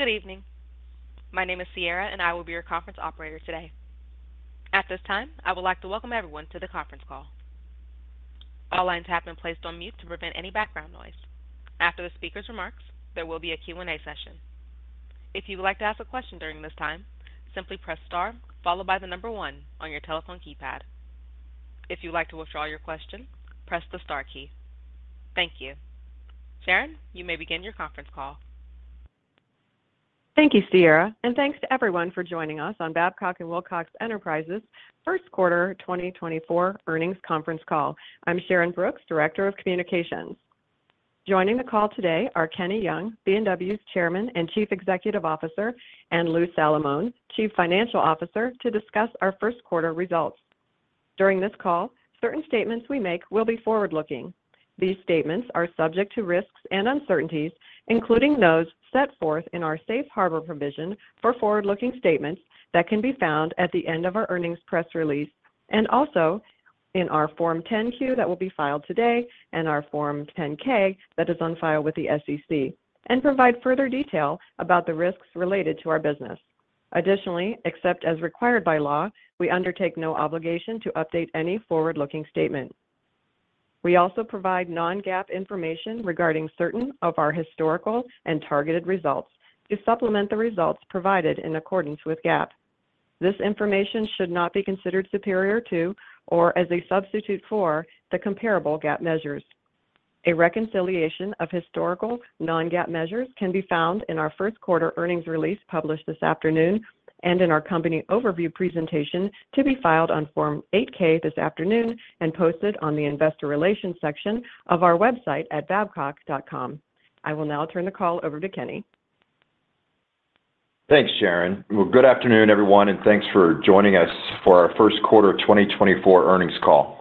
Good evening. My name is Sierra, and I will be your conference operator today. At this time, I would like to welcome everyone to the conference call. All lines have been placed on mute to prevent any background noise. After the speaker's remarks, there will be a Q&A session. If you would like to ask a question during this time, simply press star followed by the number one on your telephone keypad. If you would like to withdraw your question, press the star key. Thank you. Sharyn, you may begin your conference call. Thank you, Sierra, and thanks to everyone for joining us on Babcock & Wilcox Enterprises' First Quarter 2024 Earnings Conference Call. I'm Sharyn Brooks, Director of Communications. Joining the call today are Kenny Young, B&W's Chairman and Chief Executive Officer, and Lou Salamone, Chief Financial Officer, to discuss our first quarter results. During this call, certain statements we make will be forward-looking. These statements are subject to risks and uncertainties, including those set forth in our Safe Harbor provision for forward-looking statements that can be found at the end of our earnings press release and also in our Form 10-Q that will be filed today and our Form 10-K that is on file with the SEC, and provide further detail about the risks related to our business. Additionally, except as required by law, we undertake no obligation to update any forward-looking statement. We also provide non-GAAP information regarding certain of our historical and targeted results to supplement the results provided in accordance with GAAP. This information should not be considered superior to or as a substitute for the comparable GAAP measures. A reconciliation of historical non-GAAP measures can be found in our First Quarter Earnings release published this afternoon and in our company overview presentation to be filed on Form 8-K this afternoon and posted on the Investor Relations section of our website at babcock.com. I will now turn the call over to Kenny. Thanks, Sharyn. Well, good afternoon, everyone, and thanks for joining us for our First Quarter 2024 Earnings Call.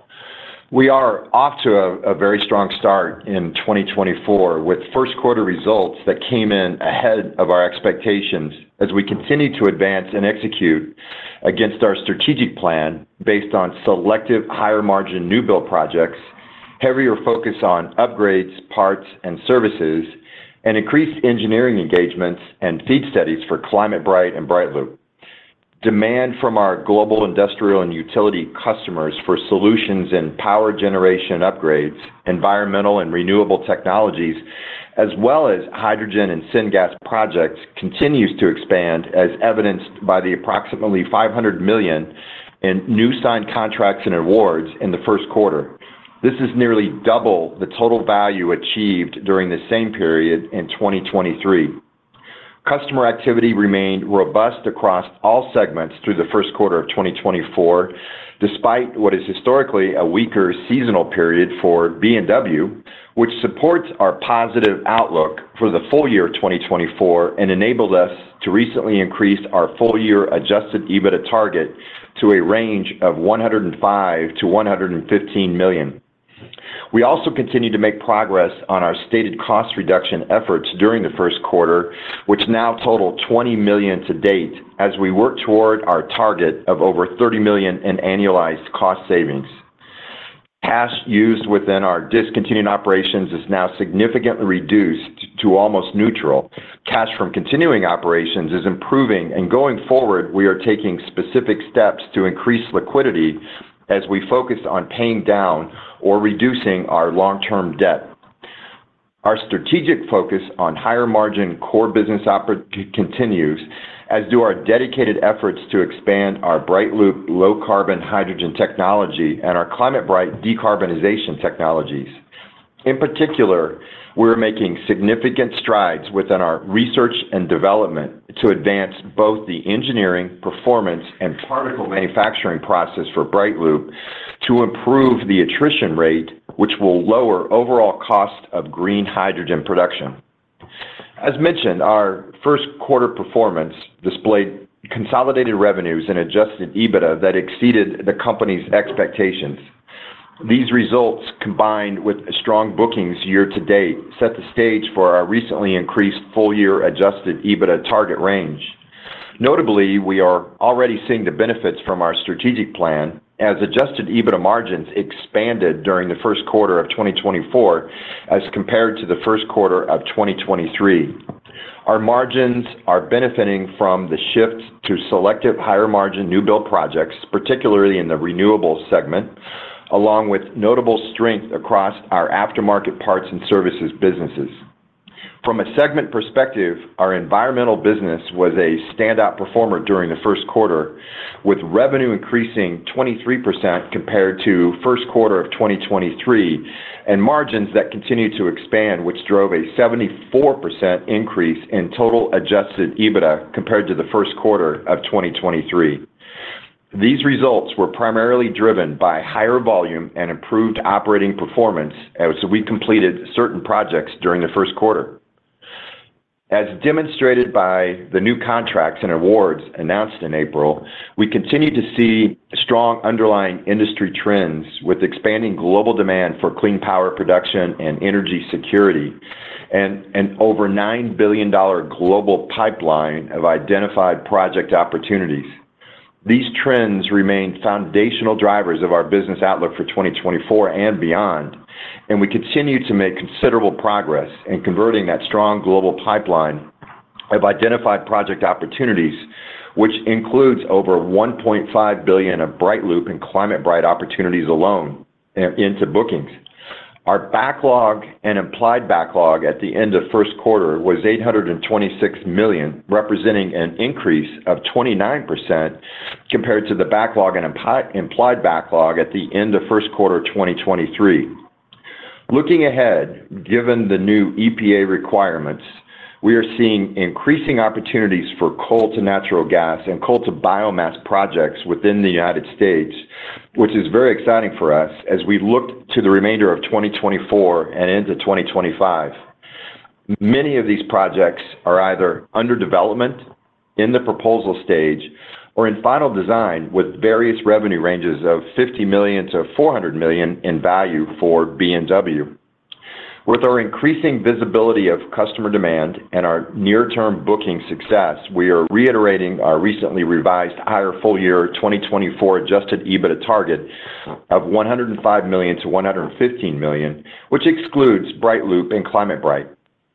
We are off to a very strong start in 2024 with first quarter results that came in ahead of our expectations as we continue to advance and execute against our strategic plan based on selective higher-margin new build projects, heavier focus on upgrades, parts, and services, and increased engineering engagements and FEED studies for ClimateBright and BrightLoop. Demand from our global industrial and utility customers for solutions in power generation upgrades, environmental and renewable technologies, as well as hydrogen and syngas projects continues to expand, as evidenced by the approximately $500 million in new-signed contracts and awards in the first quarter. This is nearly double the total value achieved during the same period in 2023. Customer activity remained robust across all segments through the first quarter of 2024, despite what is historically a weaker seasonal period for B&W, which supports our positive outlook for the full year 2024 and enabled us to recently increase our full-year Adjusted EBITDA target to a range of $105 million-$115 million. We also continue to make progress on our stated cost reduction efforts during the first quarter, which now total $20 million to date as we work toward our target of over $30 million in annualized cost savings. Cash used within our discontinued operations is now significantly reduced to almost neutral. Cash from continuing operations is improving, and going forward, we are taking specific steps to increase liquidity as we focus on paying down or reducing our long-term debt. Our strategic focus on higher-margin core business continues, as do our dedicated efforts to expand our BrightLoop low-carbon hydrogen technology and our ClimateBright decarbonization technologies. In particular, we are making significant strides within our research and development to advance both the engineering, performance, and particle manufacturing process for BrightLoop to improve the attrition rate, which will lower overall cost of green hydrogen production. As mentioned, our first quarter performance displayed consolidated revenues and Adjusted EBITDA that exceeded the company's expectations. These results, combined with strong bookings year to date, set the stage for our recently increased full-year Adjusted EBITDA target range. Notably, we are already seeing the benefits from our strategic plan, as Adjusted EBITDA margins expanded during the first quarter of 2024 as compared to the first quarter of 2023. Our margins are benefiting from the shift to selective higher-margin new build projects, particularly in the renewables segment, along with notable strength across our aftermarket parts and services businesses. From a segment perspective, our environmental business was a standout performer during the first quarter, with revenue increasing 23% compared to first quarter of 2023 and margins that continue to expand, which drove a 74% increase in total Adjusted EBITDA compared to the first quarter of 2023. These results were primarily driven by higher volume and improved operating performance as we completed certain projects during the first quarter. As demonstrated by the new contracts and awards announced in April, we continue to see strong underlying industry trends with expanding global demand for clean power production and energy security and an over $9 billion global pipeline of identified project opportunities. These trends remain foundational drivers of our business outlook for 2024 and beyond, and we continue to make considerable progress in converting that strong global pipeline of identified project opportunities, which includes over $1.5 billion of BrightLoop and ClimateBright opportunities alone into bookings. Our backlog and implied backlog at the end of first quarter was $826 million, representing an increase of 29% compared to the backlog and implied backlog at the end of first quarter 2023. Looking ahead, given the new EPA requirements, we are seeing increasing opportunities for coal-to-natural gas and coal-to-biomass projects within the United States, which is very exciting for us as we look to the remainder of 2024 and into 2025. Many of these projects are either under development in the proposal stage or in final design with various revenue ranges of $50 million-$400 million in value for B&W. With our increasing visibility of customer demand and our near-term booking success, we are reiterating our recently revised higher full-year 2024 Adjusted EBITDA target of $105 million-$115 million, which excludes BrightLoop and ClimateBright.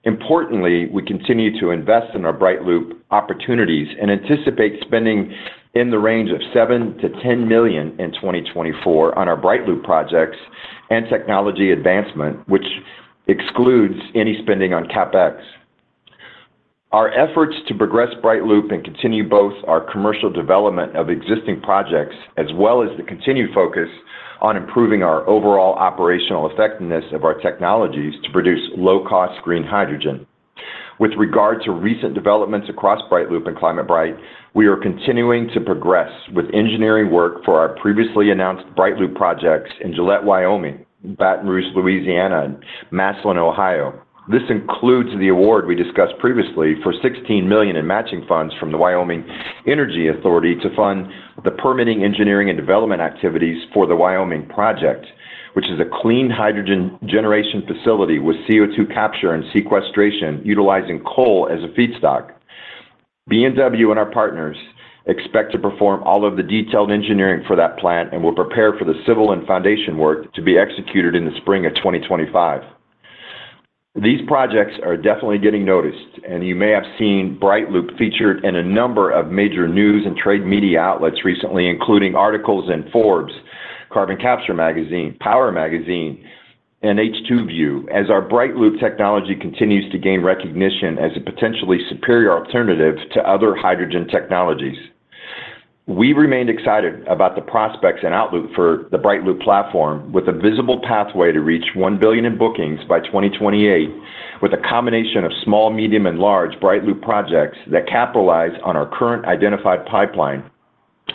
Importantly, we continue to invest in our BrightLoop opportunities and anticipate spending in the range of $7 million-$10 million in 2024 on our BrightLoop projects and technology advancement, which excludes any spending on CapEx. Our efforts to progress BrightLoop and continue both our commercial development of existing projects as well as the continued focus on improving our overall operational effectiveness of our technologies to produce low-cost green hydrogen. With regard to recent developments across BrightLoop and ClimateBright, we are continuing to progress with engineering work for our previously announced BrightLoop projects in Gillette, Wyoming, Baton Rouge, Louisiana, and Massillon, Ohio. This includes the award we discussed previously for $16 million in matching funds from the Wyoming Energy Authority to fund the permitting engineering and development activities for the Wyoming project, which is a clean hydrogen generation facility with CO2 capture and sequestration utilizing coal as a feedstock. B&W and our partners expect to perform all of the detailed engineering for that plant and will prepare for the civil and foundation work to be executed in the spring of 2025. These projects are definitely getting noticed, and you may have seen BrightLoop featured in a number of major news and trade media outlets recently, including articles in Forbes, Carbon Capture Magazine, Power Magazine, and H2View, as our BrightLoop technology continues to gain recognition as a potentially superior alternative to other hydrogen technologies. We remain excited about the prospects and outlook for the BrightLoop platform with a visible pathway to reach $1 billion in bookings by 2028 with a combination of small, medium, and large BrightLoop projects that capitalize on our current identified pipeline,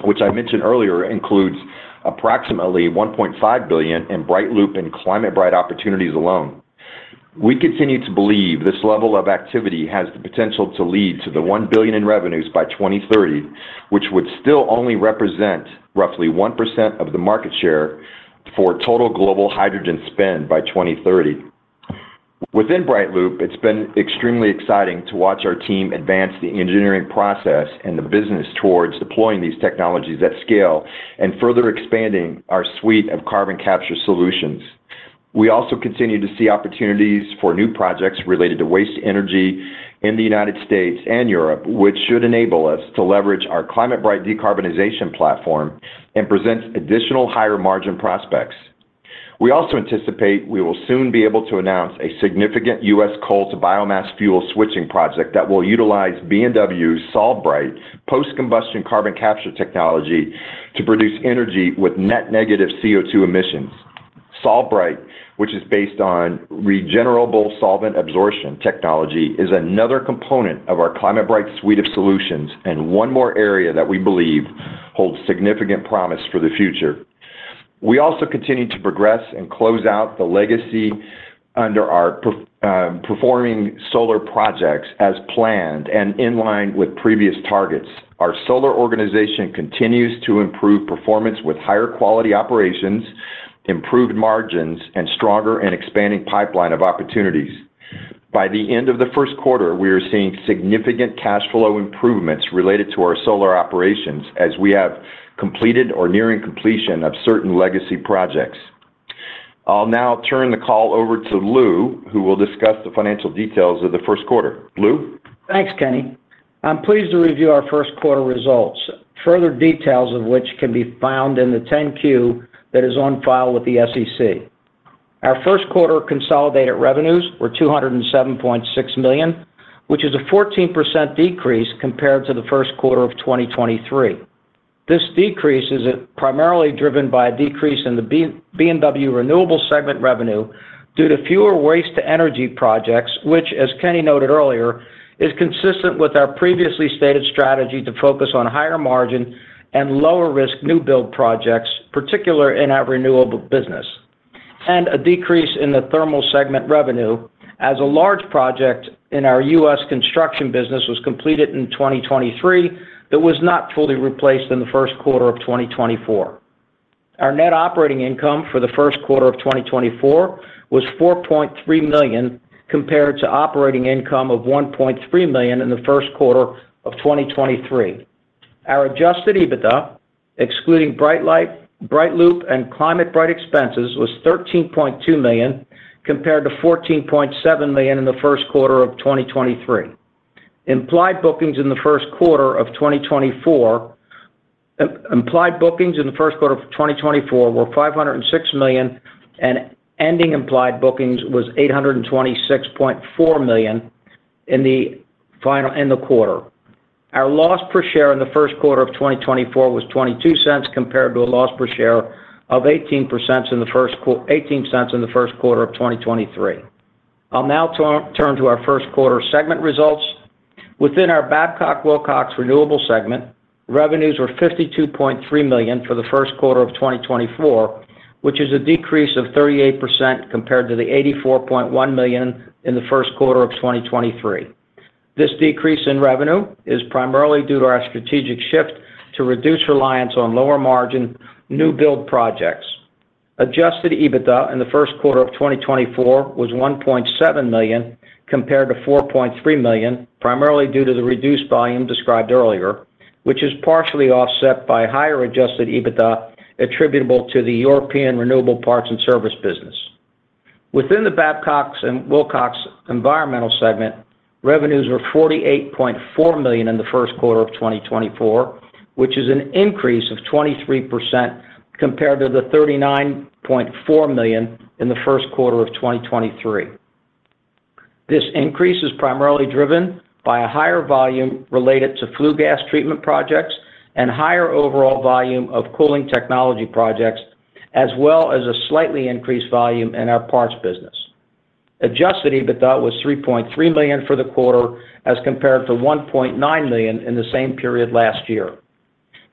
which I mentioned earlier includes approximately $1.5 billion in BrightLoop and ClimateBright opportunities alone. We continue to believe this level of activity has the potential to lead to the $1 billion in revenues by 2030, which would still only represent roughly 1% of the market share for total global hydrogen spend by 2030. Within BrightLoop, it's been extremely exciting to watch our team advance the engineering process and the business towards deploying these technologies at scale and further expanding our suite of carbon capture solutions. We also continue to see opportunities for new projects related to waste-to-energy in the United States and Europe, which should enable us to leverage our ClimateBright decarbonization platform and present additional higher-margin prospects. We also anticipate we will soon be able to announce a significant U.S. coal-to-biomass fuel switching project that will utilize B&W's SolveBright post-combustion carbon capture technology to produce energy with net negative CO2 emissions. SolveBright, which is based on regenerable solvent absorption technology, is another component of our ClimateBright suite of solutions and one more area that we believe holds significant promise for the future. We also continue to progress and close out the legacy underperforming solar projects as planned and in line with previous targets. Our solar organization continues to improve performance with higher-quality operations, improved margins, and stronger and expanding pipeline of opportunities. By the end of the first quarter, we are seeing significant cash flow improvements related to our solar operations as we have completed or nearing completion of certain legacy projects. I'll now turn the call over to Lou, who will discuss the financial details of the first quarter. Lou? Thanks, Kenny. I'm pleased to review our first quarter results, further details of which can be found in the 10-Q that is on file with the SEC. Our first quarter consolidated revenues were $207.6 million, which is a 14% decrease compared to the first quarter of 2023. This decrease is primarily driven by a decrease in the B&W renewable segment revenue due to fewer waste-to-energy projects, which, as Kenny noted earlier, is consistent with our previously stated strategy to focus on higher-margin and lower-risk new build projects, particularly in our renewable business, and a decrease in the thermal segment revenue as a large project in our U.S. construction business was completed in 2023 that was not fully replaced in the first quarter of 2024. Our net operating income for the first quarter of 2024 was $4.3 million compared to operating income of $1.3 million in the first quarter of 2023. Our adjusted EBITDA, excluding BrightLoop and ClimateBright expenses, was $13.2 million compared to $14.7 million in the first quarter of 2023. Implied bookings in the first quarter of 2024 were $506 million, and ending implied bookings was $826.4 million in the quarter. Our loss per share in the first quarter of 2024 was $0.0022 compared to a loss per share of $0.18 in the first quarter of 2023. I'll now turn to our first quarter segment results. Within our Babcock & Wilcox Renewable segment, revenues were $52.3 million for the first quarter of 2024, which is a decrease of 38% compared to the $84.1 million in the first quarter of 2023. This decrease in revenue is primarily due to our strategic shift to reduce reliance on lower-margin new build projects. Adjusted EBITDA in the first quarter of 2024 was $1.7 million compared to $4.3 million, primarily due to the reduced volume described earlier, which is partially offset by higher adjusted EBITDA attributable to the European renewable parts and service business. Within the Babcock & Wilcox Environmental segment, revenues were $48.4 million in the first quarter of 2024, which is an increase of 23% compared to the $39.4 million in the first quarter of 2023. This increase is primarily driven by a higher volume related to flue gas treatment projects and higher overall volume of cooling technology projects, as well as a slightly increased volume in our parts business. Adjusted EBITDA was $3.3 million for the quarter as compared to $1.9 million in the same period last year.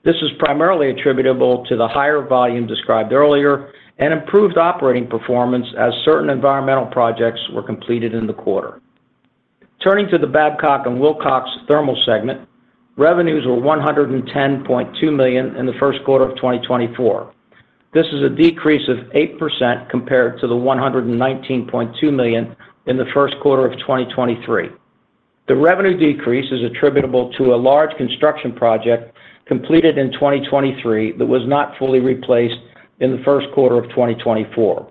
This is primarily attributable to the higher volume described earlier and improved operating performance as certain environmental projects were completed in the quarter. Turning to the Babcock & Wilcox Thermal segment, revenues were $110.2 million in the first quarter of 2024. This is a decrease of 8% compared to the $119.2 million in the first quarter of 2023. The revenue decrease is attributable to a large construction project completed in 2023 that was not fully replaced in the first quarter of 2024.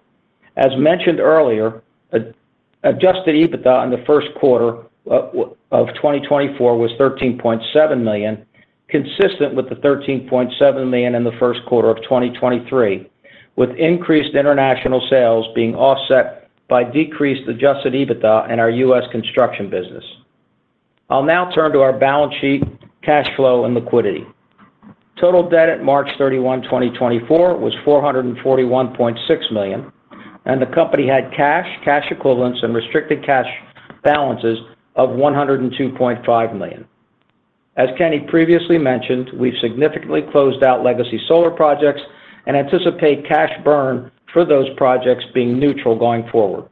As mentioned earlier, adjusted EBITDA in the first quarter of 2024 was $13.7 million, consistent with the $13.7 million in the first quarter of 2023, with increased international sales being offset by decreased adjusted EBITDA in our U.S. construction business. I'll now turn to our balance sheet cash flow and liquidity. Total debt at March 31, 2024, was $441.6 million, and the company had cash, cash equivalents, and restricted cash balances of $102.5 million. As Kenny previously mentioned, we've significantly closed out legacy solar projects and anticipate cash burn for those projects being neutral going forward.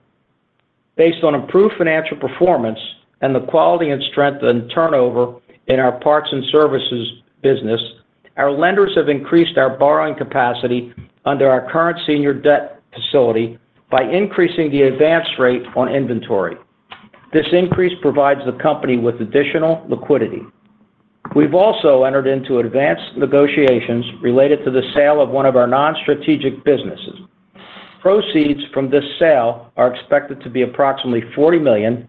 Based on improved financial performance and the quality and strength in turnover in our parts and services business, our lenders have increased our borrowing capacity under our current senior debt facility by increasing the advance rate on inventory. This increase provides the company with additional liquidity. We've also entered into advanced negotiations related to the sale of one of our non-strategic businesses. Proceeds from this sale are expected to be approximately $40 million,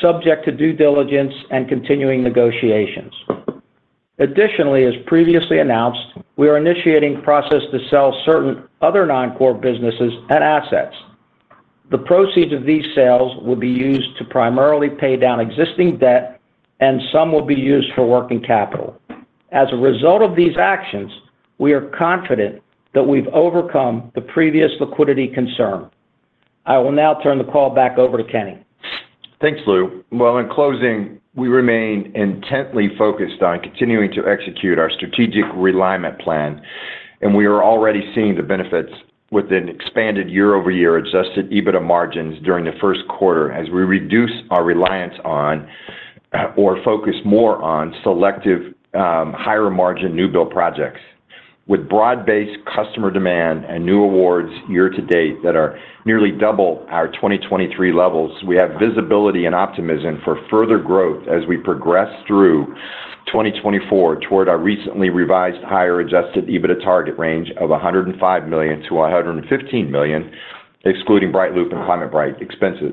subject to due diligence and continuing negotiations. Additionally, as previously announced, we are initiating process to sell certain other non-core businesses and assets. The proceeds of these sales would be used to primarily pay down existing debt, and some will be used for working capital. As a result of these actions, we are confident that we've overcome the previous liquidity concern. I will now turn the call back over to Kenny. Thanks, Lou. Well, in closing, we remain intently focused on continuing to execute our strategic refinement plan, and we are already seeing the benefits with an expanded year-over-year Adjusted EBITDA margins during the first quarter as we reduce our reliance on or focus more on selective higher-margin new build projects. With broad-based customer demand and new awards year-to-date that are nearly double our 2023 levels, we have visibility and optimism for further growth as we progress through 2024 toward our recently revised higher Adjusted EBITDA target range of $105 million-$115 million, excluding BrightLoop and ClimateBright expenses.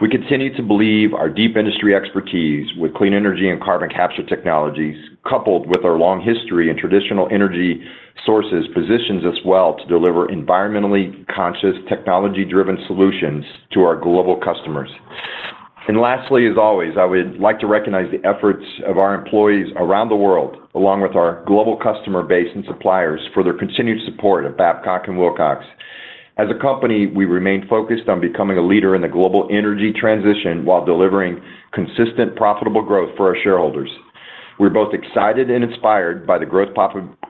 We continue to believe our deep industry expertise with clean energy and carbon capture technologies, coupled with our long history in traditional energy sources, positions us well to deliver environmentally conscious, technology-driven solutions to our global customers. Lastly, as always, I would like to recognize the efforts of our employees around the world, along with our global customer base and suppliers, for their continued support of Babcock & Wilcox. As a company, we remain focused on becoming a leader in the global energy transition while delivering consistent, profitable growth for our shareholders. We're both excited and inspired by the growth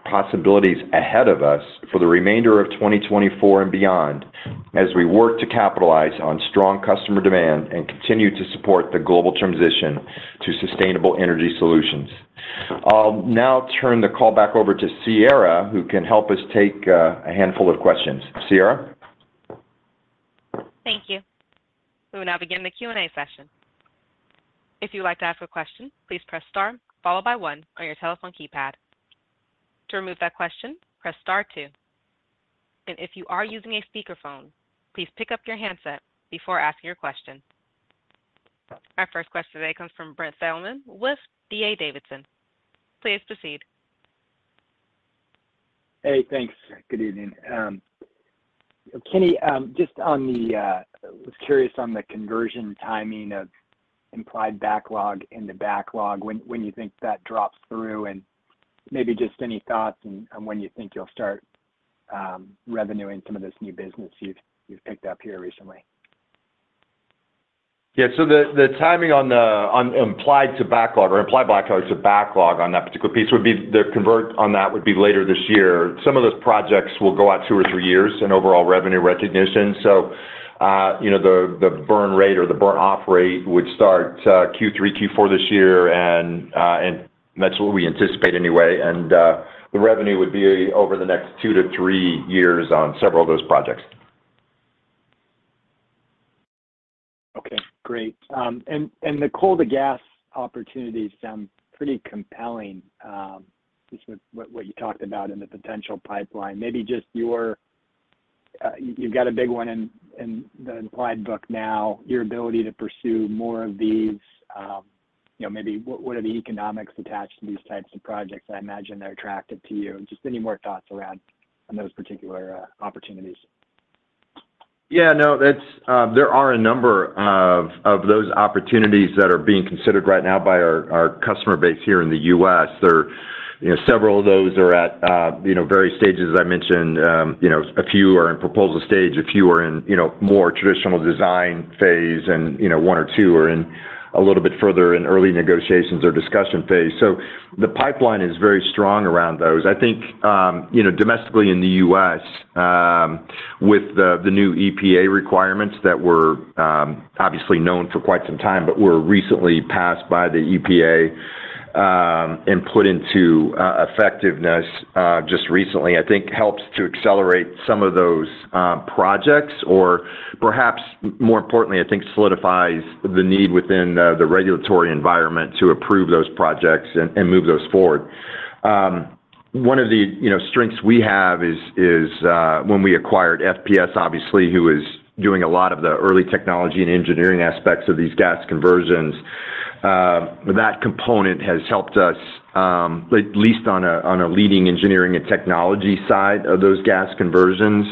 possibilities ahead of us for the remainder of 2024 and beyond as we work to capitalize on strong customer demand and continue to support the global transition to sustainable energy solutions. I'll now turn the call back over to Sierra, who can help us take a handful of questions. Sierra? Thank you. We will now begin the Q&A session. If you would like to ask a question, please press star followed by one on your telephone keypad. To remove that question, press star two. If you are using a speakerphone, please pick up your handset before asking your question. Our first question today comes from Brent Thielman with D.A. Davidson. Please proceed. Hey, thanks. Good evening. Kenny, just on the, I was curious on the conversion timing of implied backlog into backlog, when you think that drops through, and maybe just any thoughts on when you think you'll start revenuing some of this new business you've picked up here recently. Yeah, so the timing on implied to backlog or implied backlog to backlog on that particular piece would be the convert on that would be later this year. Some of those projects will go out two or three years in overall revenue recognition, so the burn rate or the burn-off rate would start Q3, Q4 this year, and that's what we anticipate anyway. And the revenue would be over the next two to three years on several of those projects. Okay, great. And the coal-to-gas opportunities sound pretty compelling, just with what you talked about in the potential pipeline. Maybe just, you've got a big one in the implied backlog now. Your ability to pursue more of these. Maybe what are the economics attached to these types of projects? I imagine they're attractive to you. Just any more thoughts around those particular opportunities? Yeah, no, there are a number of those opportunities that are being considered right now by our customer base here in the U.S. Several of those are at various stages. As I mentioned, a few are in proposal stage. A few are in more traditional design phase, and one or two are in a little bit further in early negotiations or discussion phase. So the pipeline is very strong around those. I think domestically in the U.S., with the new EPA requirements that were obviously known for quite some time but were recently passed by the EPA and put into effectiveness just recently, I think helps to accelerate some of those projects or perhaps more importantly, I think solidifies the need within the regulatory environment to approve those projects and move those forward. One of the strengths we have is when we acquired FPS, obviously, who is doing a lot of the early technology and engineering aspects of these gas conversions. That component has helped us, at least on a leading engineering and technology side of those gas conversions.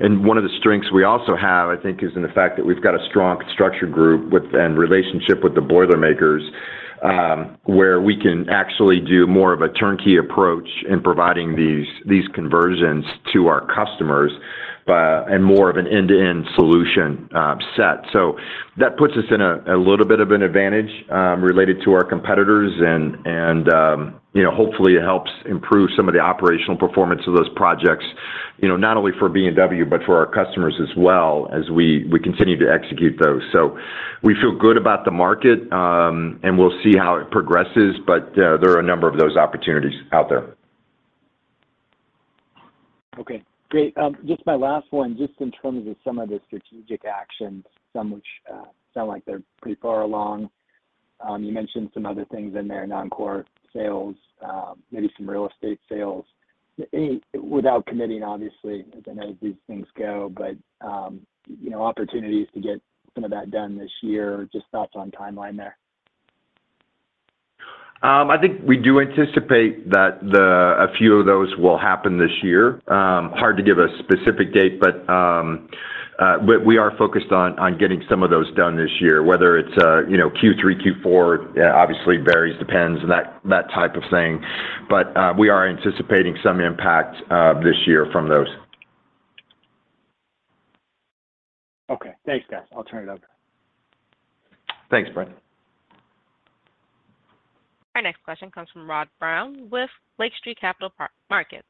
And one of the strengths we also have, I think, is in the fact that we've got a strong structure group and relationship with the boilermakers where we can actually do more of a turnkey approach in providing these conversions to our customers and more of an end-to-end solution set. So that puts us in a little bit of an advantage related to our competitors, and hopefully, it helps improve some of the operational performance of those projects, not only for B&W but for our customers as well as we continue to execute those. So we feel good about the market, and we'll see how it progresses, but there are a number of those opportunities out there. Okay, great. Just my last one, just in terms of some of the strategic actions, some which sound like they're pretty far along. You mentioned some other things in there, non-core sales, maybe some real estate sales, without committing, obviously, as I know these things go, but opportunities to get some of that done this year. Just thoughts on timeline there? I think we do anticipate that a few of those will happen this year. Hard to give a specific date, but we are focused on getting some of those done this year, whether it's Q3, Q4. Obviously, it varies, depends, and that type of thing. But we are anticipating some impact this year from those. Okay, thanks, guys. I'll turn it over. Thanks, Brent. Our next question comes from Rob Brown with Lakeside Capital Markets.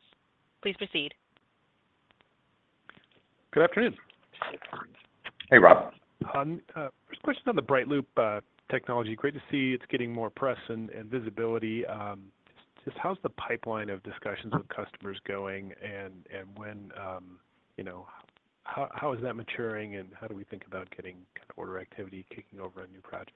Please proceed. Good afternoon. Hey, Rob. First question on the BrightLoop technology. Great to see it's getting more press and visibility. Just how's the pipeline of discussions with customers going, and how is that maturing, and how do we think about getting kind of order activity kicking over on new projects?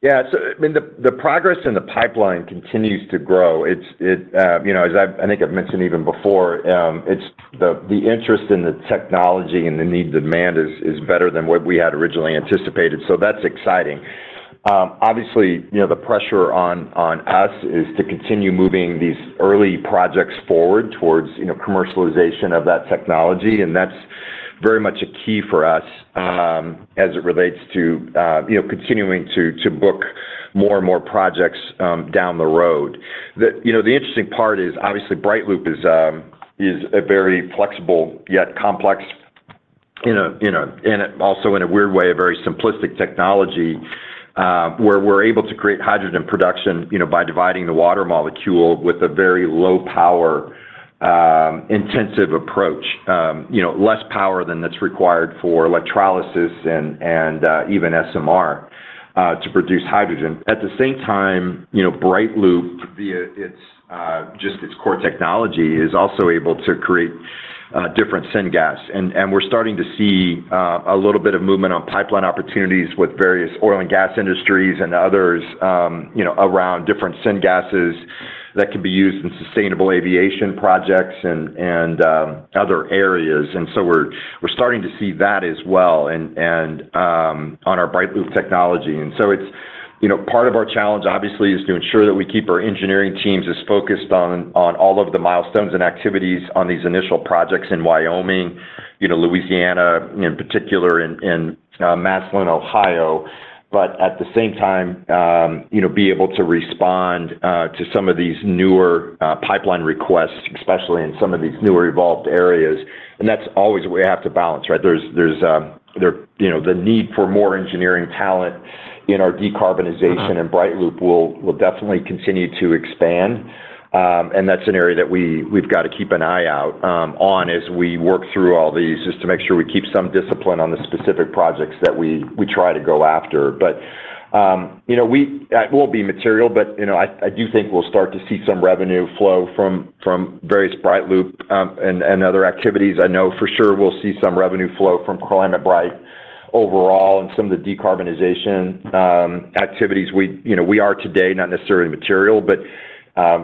Yeah, so I mean, the progress in the pipeline continues to grow. As I think I've mentioned even before, the interest in the technology and the need demand is better than what we had originally anticipated, so that's exciting. Obviously, the pressure on us is to continue moving these early projects forward towards commercialization of that technology, and that's very much a key for us as it relates to continuing to book more and more projects down the road. The interesting part is, obviously, BrightLoop is a very flexible yet complex, and also in a weird way, a very simplistic technology where we're able to create hydrogen production by dividing the water molecule with a very low-power intensive approach, less power than that's required for electrolysis and even SMR to produce hydrogen. At the same time, BrightLoop, via just its core technology, is also able to create different syngas, and we're starting to see a little bit of movement on pipeline opportunities with various oil and gas industries and others around different syngases that can be used in sustainable aviation projects and other areas. And so we're starting to see that as well on our BrightLoop technology. And so part of our challenge, obviously, is to ensure that we keep our engineering teams as focused on all of the milestones and activities on these initial projects in Wyoming, Louisiana in particular, and Massillon, Ohio, but at the same time, be able to respond to some of these newer pipeline requests, especially in some of these newer evolved areas. And that's always what we have to balance, right? There's the need for more engineering talent in our decarbonization, and BrightLoop will definitely continue to expand. That's an area that we've got to keep an eye out on as we work through all these, just to make sure we keep some discipline on the specific projects that we try to go after. But it will be material, but I do think we'll start to see some revenue flow from various BrightLoop and other activities. I know for sure we'll see some revenue flow from ClimateBright overall and some of the decarbonization activities. We are today, not necessarily material, but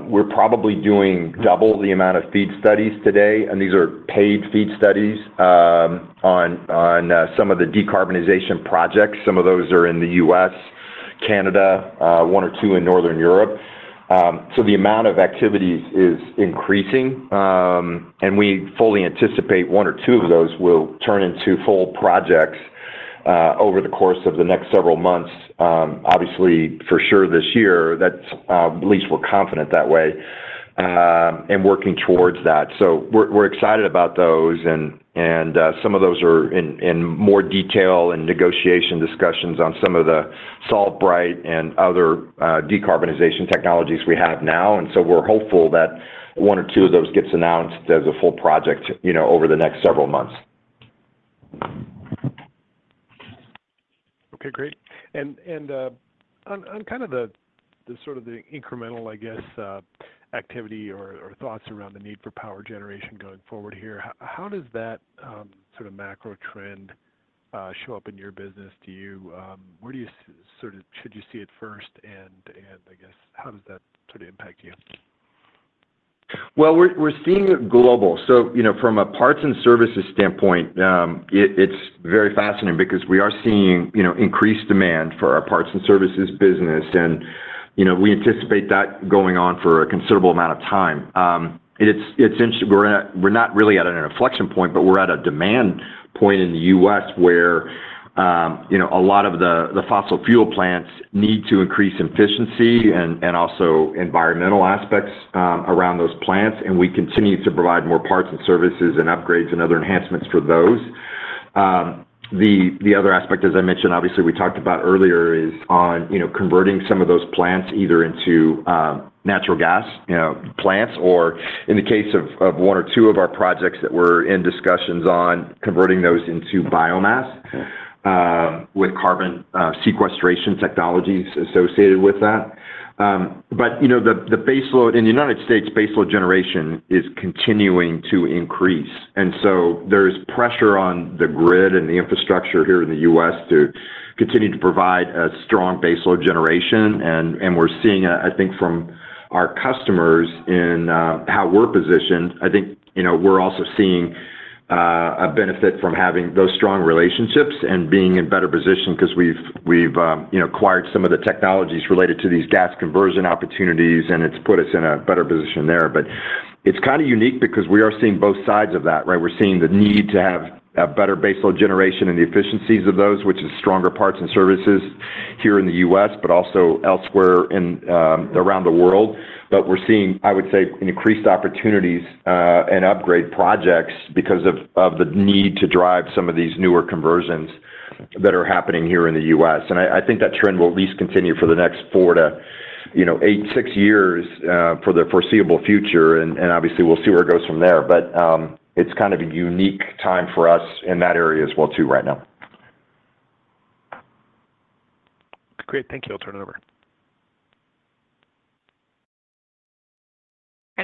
we're probably doing double the amount of FEED studies today, and these are paid FEED studies on some of the decarbonization projects. Some of those are in the U.S., Canada, one or two in Northern Europe. So the amount of activities is increasing, and we fully anticipate one or two of those will turn into full projects over the course of the next several months. Obviously, for sure this year, at least we're confident that way and working towards that. So we're excited about those, and some of those are in more detail and negotiation discussions on some of the SolveBright and other decarbonization technologies we have now. And so we're hopeful that one or two of those gets announced as a full project over the next several months. Okay, great. And on kind of the sort of the incremental, I guess, activity or thoughts around the need for power generation going forward here, how does that sort of macro trend show up in your business? Where do you sort of should you see it first, and I guess how does that sort of impact you? Well, we're seeing it global. So from a parts and services standpoint, it's very fascinating because we are seeing increased demand for our parts and services business, and we anticipate that going on for a considerable amount of time. We're not really at an inflection point, but we're at a demand point in the U.S. where a lot of the fossil fuel plants need to increase efficiency and also environmental aspects around those plants, and we continue to provide more parts and services and upgrades and other enhancements for those. The other aspect, as I mentioned, obviously, we talked about earlier, is on converting some of those plants either into natural gas plants or, in the case of one or two of our projects that we're in discussions on, converting those into biomass with carbon sequestration technologies associated with that. But the baseload in the United States, baseload generation is continuing to increase. And so there's pressure on the grid and the infrastructure here in the U.S. to continue to provide a strong baseload generation. And we're seeing, I think, from our customers in how we're positioned, I think we're also seeing a benefit from having those strong relationships and being in better position because we've acquired some of the technologies related to these gas conversion opportunities, and it's put us in a better position there. But it's kind of unique because we are seeing both sides of that, right? We're seeing the need to have a better baseload generation and the efficiencies of those, which is stronger parts and services here in the U.S. but also elsewhere around the world. We're seeing, I would say, increased opportunities and upgrade projects because of the need to drive some of these newer conversions that are happening here in the U.S. I think that trend will at least continue for the next four to eight, six years for the foreseeable future, and obviously, we'll see where it goes from there. But it's kind of a unique time for us in that area as well too right now. Great. Thank you. I'll turn it over.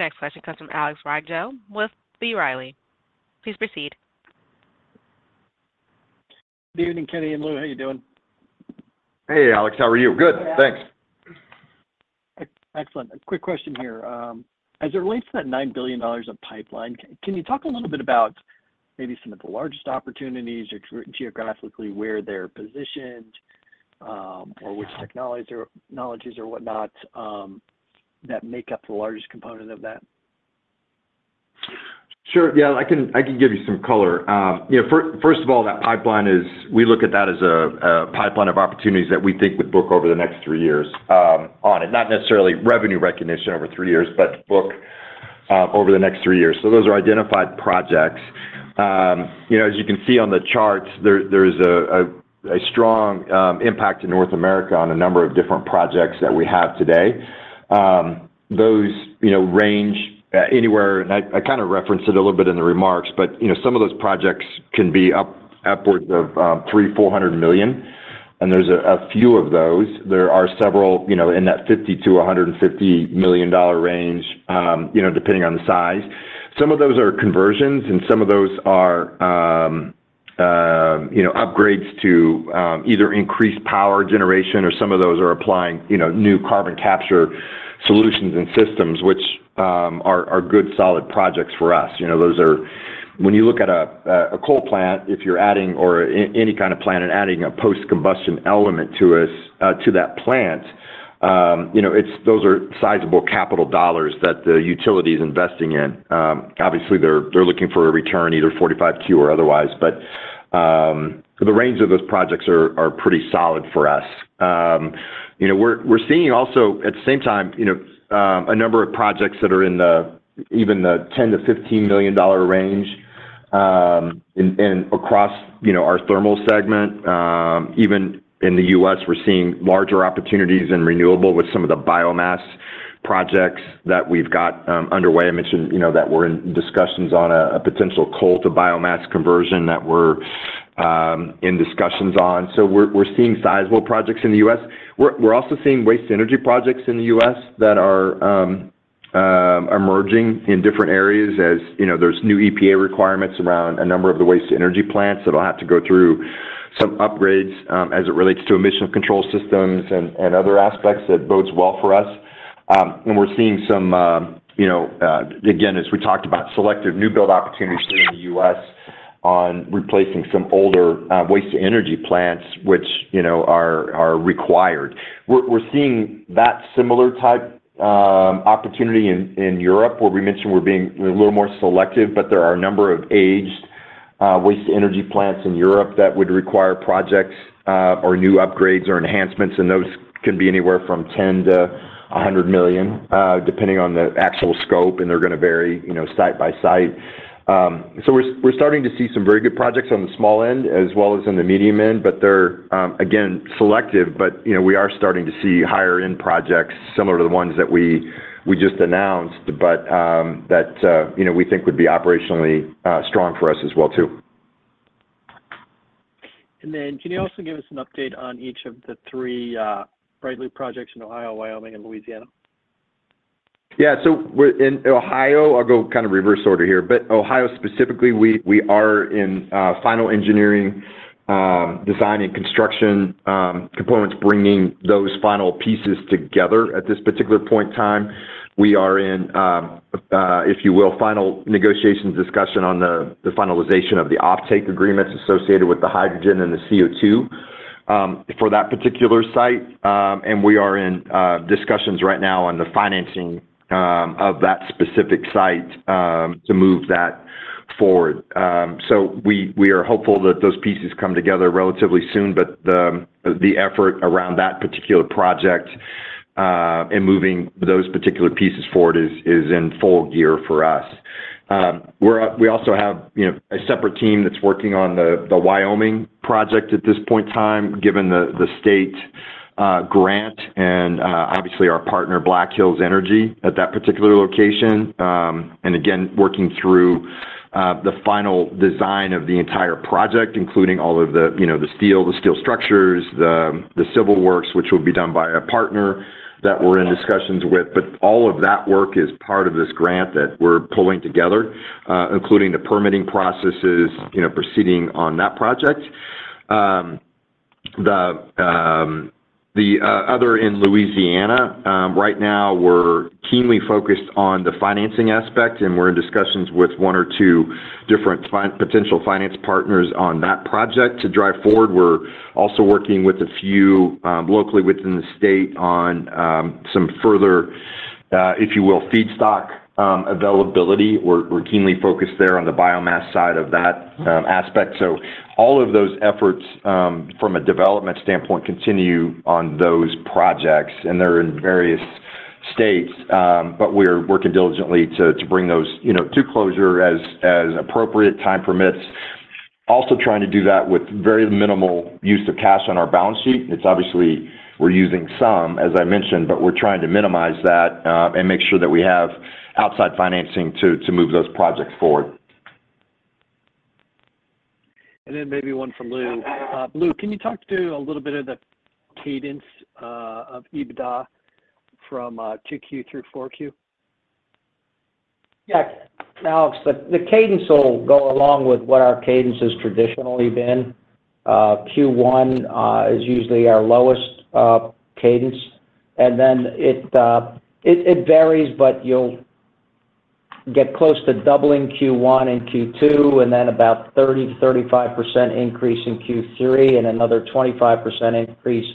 Our next question comes from Alex Rygiel with B. Riley. Please proceed. Good evening, Kenny and Lou. How are you doing? Hey, Alex. How are you? Good. Thanks. Excellent. A quick question here. As it relates to that $9 billion of pipeline, can you talk a little bit about maybe some of the largest opportunities or geographically where they're positioned or which technologies or whatnot that make up the largest component of that? Sure. Yeah, I can give you some color. First of all, that pipeline is we look at that as a pipeline of opportunities that we think would book over the next three years on it, not necessarily revenue recognition over three years, but book over the next three years. So those are identified projects. As you can see on the charts, there is a strong impact in North America on a number of different projects that we have today. Those range anywhere, and I kind of referenced it a little bit in the remarks, but some of those projects can be upwards of $300 million-$400 million, and there's a few of those. There are several in that $50 million-$150 million range depending on the size. Some of those are conversions, and some of those are upgrades to either increased power generation, or some of those are applying new carbon capture solutions and systems, which are good solid projects for us. When you look at a coal plant, if you're adding or any kind of plant and adding a post-combustion element to that plant, those are sizable capital dollars that the utility is investing in. Obviously, they're looking for a return, either 45Q or otherwise, but the range of those projects are pretty solid for us. We're seeing also, at the same time, a number of projects that are in even the $10 million-$15 million range across our thermal segment. Even in the U.S., we're seeing larger opportunities in renewable with some of the biomass projects that we've got underway. I mentioned that we're in discussions on a potential coal-to-biomass conversion that we're in discussions on. So we're seeing sizable projects in the U.S. We're also seeing waste-to-energy projects in the U.S. that are emerging in different areas as there's new EPA requirements around a number of the waste-to-energy plants that'll have to go through some upgrades as it relates to emission control systems and other aspects that bodes well for us. And we're seeing some, again, as we talked about, selective new build opportunities here in the U.S. on replacing some older waste-to-energy plants, which are required. We're seeing that similar type opportunity in Europe, where we mentioned we're being a little more selective, but there are a number of aged waste-to-energy plants in Europe that would require projects or new upgrades or enhancements, and those can be anywhere from $10 million-$100 million depending on the actual scope, and they're going to vary site by site. So we're starting to see some very good projects on the small end as well as on the medium end, but they're, again, selective. But we are starting to see higher-end projects similar to the ones that we just announced but that we think would be operationally strong for us as well too. And then can you also give us an update on each of the three BrightLoop projects in Ohio, Wyoming, and Louisiana? Yeah. So in Ohio, I'll go kind of reverse order here, but Ohio specifically, we are in final engineering, design, and construction components, bringing those final pieces together at this particular point in time. We are in, if you will, final negotiations discussion on the finalization of the offtake agreements associated with the hydrogen and the CO2 for that particular site, and we are in discussions right now on the financing of that specific site to move that forward. So we are hopeful that those pieces come together relatively soon, but the effort around that particular project and moving those particular pieces forward is in full gear for us. We also have a separate team that's working on the Wyoming project at this point in time given the state grant and obviously our partner, Black Hills Energy, at that particular location, and again, working through the final design of the entire project, including all of the steel, the steel structures, the civil works, which will be done by a partner that we're in discussions with. But all of that work is part of this grant that we're pulling together, including the permitting processes proceeding on that project. The other in Louisiana, right now, we're keenly focused on the financing aspect, and we're in discussions with one or two different potential finance partners on that project to drive forward. We're also working with a few locally within the state on some further, if you will, feedstock availability. We're keenly focused there on the biomass side of that aspect. So all of those efforts from a development standpoint continue on those projects, and they're in various states, but we are working diligently to bring those to closure as appropriate time permits, also trying to do that with very minimal use of cash on our balance sheet. Obviously, we're using some, as I mentioned, but we're trying to minimize that and make sure that we have outside financing to move those projects forward. And then maybe one for Lou. Lou, can you talk to a little bit of the cadence of EBITDA from 2Q through 4Q? Yeah, Alex. The cadence will go along with what our cadence has traditionally been. Q1 is usually our lowest cadence, and then it varies, but you'll get close to doubling Q1 and Q2 and then about 30%-35% increase in Q3 and another 25% increase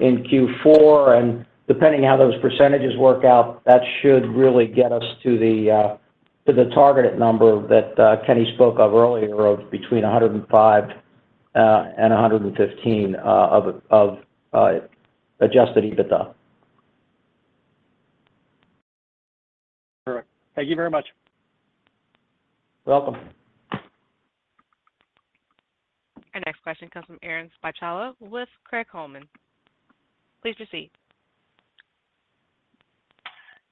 in Q4. And depending on how those percentages work out, that should really get us to the targeted number that Kenny spoke of earlier of between 105 and 115 of Adjusted EBITDA. All right. Thank you very much. Welcome. Our next question comes from Aaron Spychalla with Craig-Hallum. Please proceed.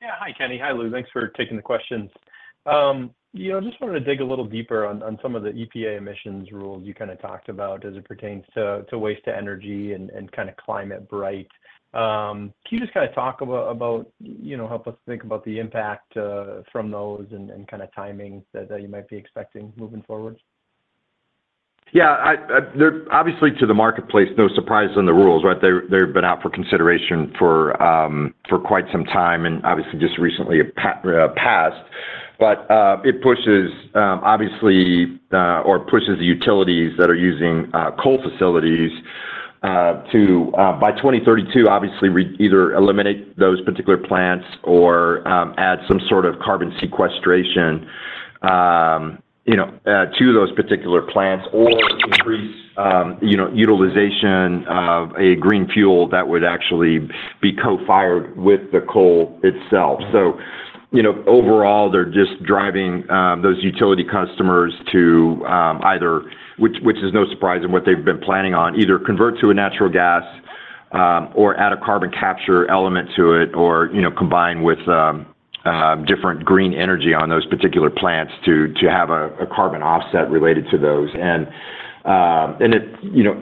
Yeah. Hi, Kenny. Hi, Lou. Thanks for taking the questions. I just wanted to dig a little deeper on some of the EPA emissions rules you kind of talked about as it pertains to waste to energy and kind of ClimateBright. Can you just kind of talk about help us think about the impact from those and kind of timing that you might be expecting moving forward? Yeah. Obviously, to the marketplace, no surprise in the rules, right? They've been out for consideration for quite some time and obviously just recently passed. But it pushes, obviously, or pushes the utilities that are using coal facilities to, by 2032, obviously, either eliminate those particular plants or add some sort of carbon sequestration to those particular plants or increase utilization of a green fuel that would actually be co-fired with the coal itself. So overall, they're just driving those utility customers to either, which is no surprise in what they've been planning on, either convert to a natural gas or add a carbon capture element to it or combine with different green energy on those particular plants to have a carbon offset related to those. And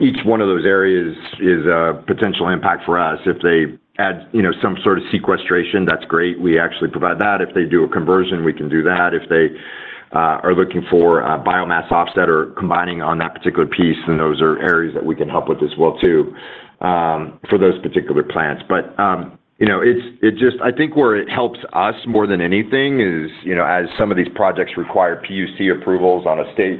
each one of those areas is a potential impact for us. If they add some sort of sequestration, that's great. We actually provide that. If they do a conversion, we can do that. If they are looking for a biomass offset or combining on that particular piece, then those are areas that we can help with as well too for those particular plants. But I think where it helps us more than anything is as some of these projects require PUC approvals on a state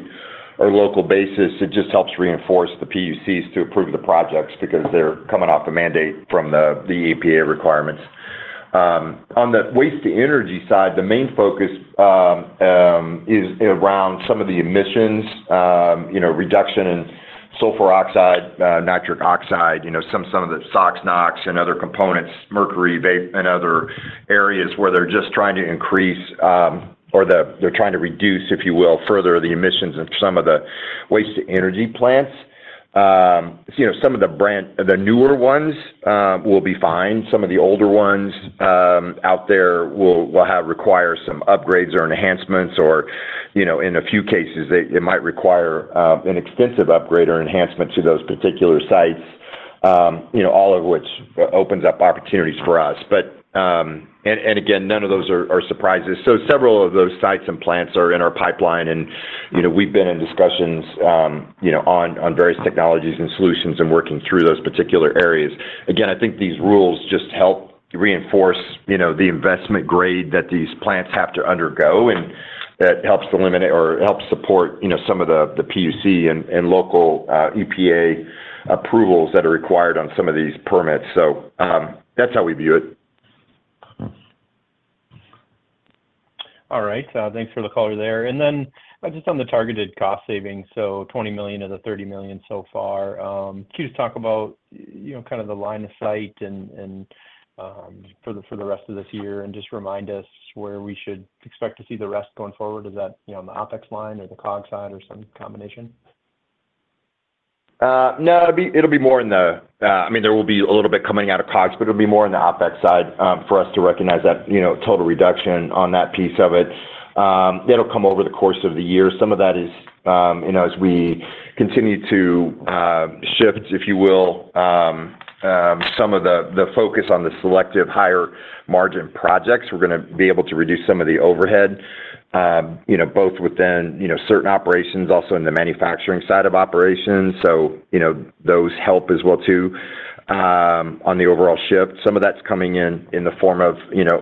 or local basis, it just helps reinforce the PUCs to approve the projects because they're coming off a mandate from the EPA requirements. On the waste-to-energy side, the main focus is around some of the emissions, reduction in sulfur oxide, nitric oxide, some of the SOx, NOx, and other components, mercury, and other areas where they're just trying to increase or they're trying to reduce, if you will, further the emissions of some of the waste-to-energy plants. Some of the newer ones will be fine. Some of the older ones out there will require some upgrades or enhancements, or in a few cases, it might require an extensive upgrade or enhancement to those particular sites, all of which opens up opportunities for us. Again, none of those are surprises. Several of those sites and plants are in our pipeline, and we've been in discussions on various technologies and solutions and working through those particular areas. Again, I think these rules just help reinforce the investment grade that these plants have to undergo, and that helps eliminate or helps support some of the PUC and local EPA approvals that are required on some of these permits. That's how we view it. All right. Thanks for the call here there. And then just on the targeted cost savings, so $20 million of the $30 million so far, can you just talk about kind of the line of sight for the rest of this year and just remind us where we should expect to see the rest going forward? Is that on the OpEx line or the COG side or some combination? No, it'll be more in the, I mean, there will be a little bit coming out of COGs, but it'll be more on the OpEx side for us to recognize that total reduction on that piece of it. That'll come over the course of the year. Some of that is as we continue to shift, if you will, some of the focus on the selective higher-margin projects, we're going to be able to reduce some of the overhead both within certain operations, also in the manufacturing side of operations. So those help as well too on the overall shift. Some of that's coming in the form of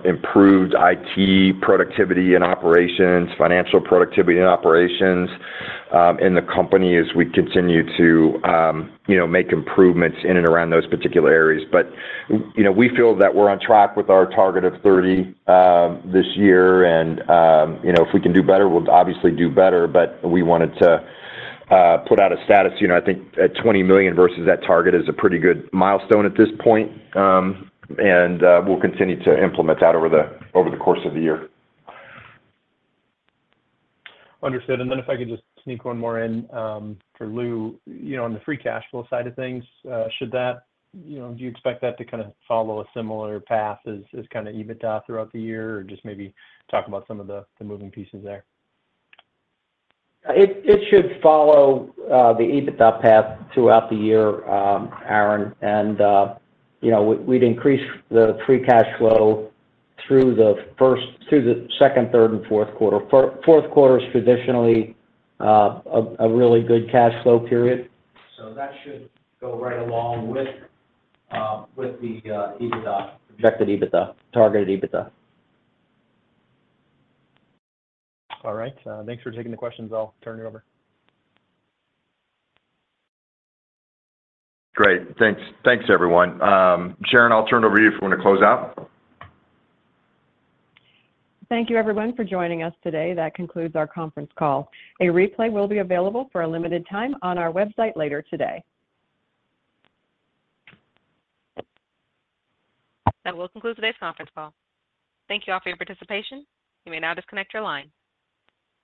improved IT productivity and operations, financial productivity and operations in the company as we continue to make improvements in and around those particular areas. We feel that we're on track with our target of 30 this year, and if we can do better, we'll obviously do better. We wanted to put out a status. I think at $20 million versus that target is a pretty good milestone at this point, and we'll continue to implement that over the course of the year. Understood. And then if I could just sneak one more in for Lou, on the free cash flow side of things, should that do you expect that to kind of follow a similar path as kind of EBITDA throughout the year, or just maybe talk about some of the moving pieces there? It should follow the EBITDA path throughout the year, Aaron. We'd increase the free cash flow through the second, third, and fourth quarter. Fourth quarter is traditionally a really good cash flow period. That should go right along with the projected EBITDA, targeted EBITDA. All right. Thanks for taking the questions. I'll turn you over. Great. Thanks, everyone. Sharyn, I'll turn it over to you. If you want to close out. Thank you, everyone, for joining us today. That concludes our conference call. A replay will be available for a limited time on our website later today. That will conclude today's conference call. Thank you all for your participation. You may now disconnect your line.